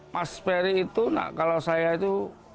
mas ferry itu kalau saya itu